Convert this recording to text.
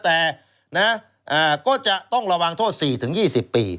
แต่ก็จะต้องระวังโทษ๔๒๐ปี